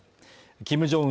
キム・ジョンウン